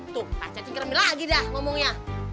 tuh pak cacing kermi lagi dah ngomongnya